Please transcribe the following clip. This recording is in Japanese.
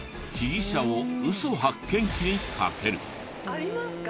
ありますか？